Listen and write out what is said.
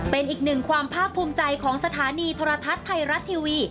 เป็นอีกหนึ่งความภาคภูมิใจของสถานีโทรทัศน์ไทยรัฐทีวี